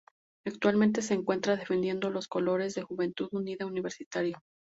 Actualmente se encuentra defendiendo los colores de Juventud Unida Universitario.